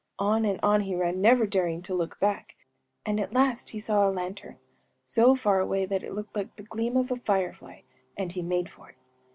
On and on he ran, never daring to look back; and at last he saw a lantern, so far away that it looked like the gleam of a firefly; and he made for it.